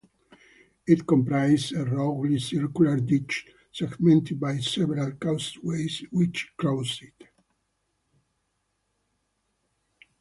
It comprises a roughly circular ditch, segmented by several causeways which cross it.